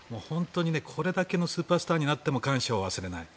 これだけのスーパースターになっても感謝を忘れない。